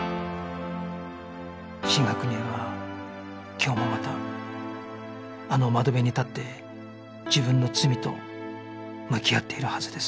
志賀邦枝は今日もまたあの窓辺に立って自分の罪と向き合っているはずです